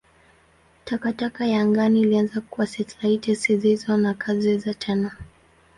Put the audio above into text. Takataka ya angani ilianza kwa satelaiti zisizo na kazi tena.